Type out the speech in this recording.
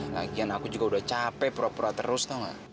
lagian aku juga udah capek pura pura terus atau nggak